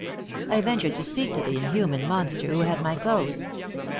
"I ventured to speak to the inhuman monster who had my clothes.